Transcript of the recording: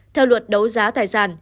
theo luật đấu giá tài sản